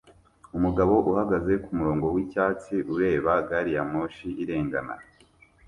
Umugabo uhagaze kumurongo wicyatsi ureba gari ya moshi irengana